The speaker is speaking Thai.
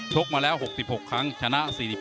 กมาแล้ว๖๖ครั้งชนะ๔๖